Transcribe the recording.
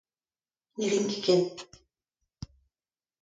Ne rin ket ken.